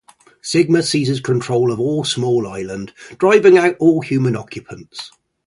Sigma seizes control of a small island, driving out all human occupants.